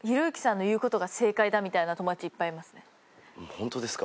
ホントですか。